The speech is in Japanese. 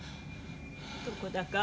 どこだか。